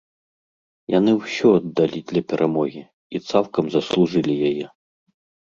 Яны ўсё аддалі для перамогі, і цалкам заслужылі яе.